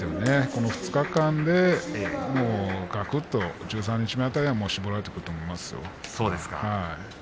この２日間で、がくっと十三日目辺りで絞られてくると思いますよ。